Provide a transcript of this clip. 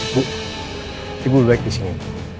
ibu ibu baik di sini